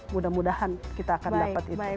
mudah mudahan kita akan dapat itu